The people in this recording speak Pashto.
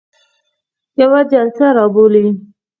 یوه جلسه را بولي.